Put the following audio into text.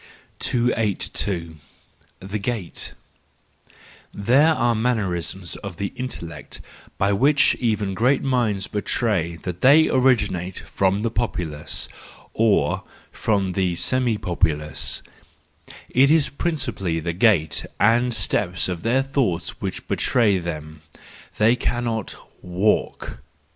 282. The Gait —There are mannerisms of the intellect by which even great minds betray that they originate from the populace, or from the semi populace:—it is principally the gait and step of their thoughts which betray them ; they cannot walk.